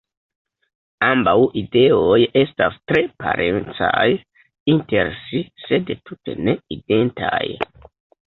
Ambaŭ ideoj estas tre parencaj inter si sed tute ne identaj.